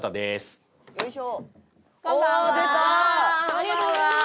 ありがとうございます！